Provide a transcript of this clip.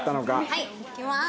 はいいきます。